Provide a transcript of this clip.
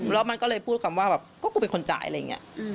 แล้วมันก็เลยพูดคำว่าแบบก็กูเป็นคนจ่ายอะไรอย่างนี้